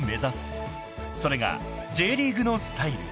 ［それがＪリーグのスタイル］